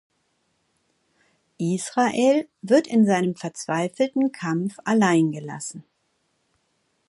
Israel wird in seinem verzweifelten Kampf allein gelassen.